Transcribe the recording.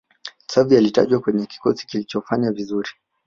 xavi alitajwa kwenye kikosi kilichofanya vizuri